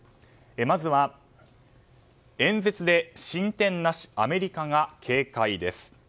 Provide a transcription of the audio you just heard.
まずは、演説で進展なしアメリカが警戒です。